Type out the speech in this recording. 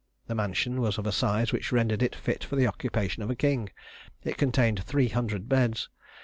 The mansion was of a size which rendered it fit for the occupation of a king; it contained three hundred beds.